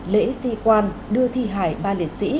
lễ di quan đưa thi hải ba liệt sĩ